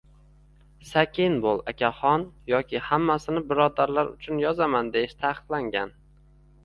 Sakin bo'l, Akaxon yoki Hammasini birodarlar uchun yozaman deyish taqiqlangan